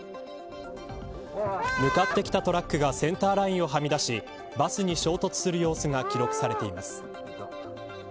向かってきたトラックがセンターラインをはみ出しバスに衝突する様子が記録されています。